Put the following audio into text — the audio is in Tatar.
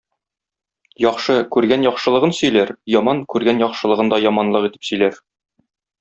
Яхшы — күргән яхшылыгын сөйләр, яман — күргән яхшылыгын да яманлык итеп сөйләр.